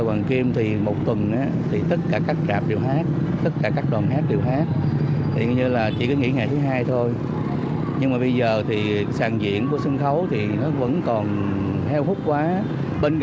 anh chạy xe này lâu chưa anh